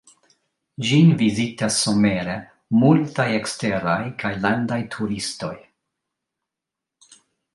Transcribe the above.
Ĝin vizitas somere multaj eksteraj kaj landaj turistoj.